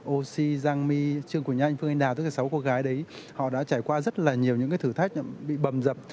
ô si giang my trương quỳnh anh phương anh đà tất cả sáu cô gái đấy họ đã trải qua rất là nhiều những thử thách bị bầm dập